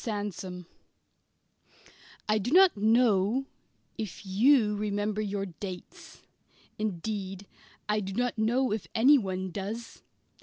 SANDSOME I do not know if you remember your "dates." Indeed, I do not know if anyone does.